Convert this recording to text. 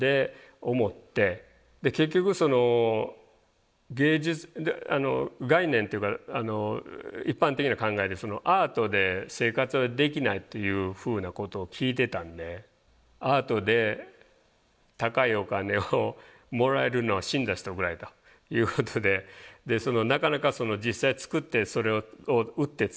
結局その芸術概念っていうか一般的な考えでアートで生活はできないというふうなことを聞いてたんでアートで高いお金をもらえるのは死んだ人ぐらいということでなかなか実際作ってそれを売ってつなげられる。